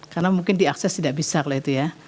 karena mungkin diakses tidak bisa kalau itu ya